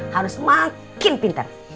harus makin pinter